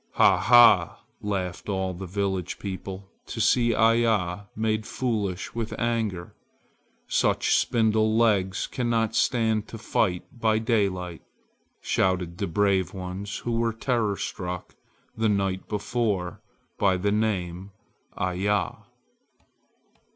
"Ha! ha!" laughed all the village people to see Iya made foolish with anger. "Such spindle legs cannot stand to fight by daylight!" shouted the brave ones who were terror struck the night before by the name "Iya."